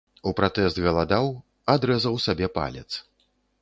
У пратэст галадаў, адрэзаў сабе палец.